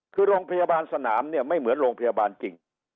คือโรงพยาบาลสนามเนี่ยไม่เหมือนโรงพยาบาลจริง